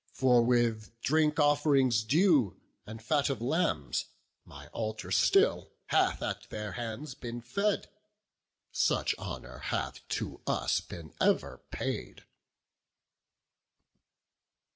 For with drink off'rings due, and fat of lambs, My altar still hath at their hands been fed; Such honour hath to us been ever paid."